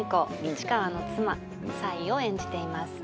市川の妻紗衣を演じています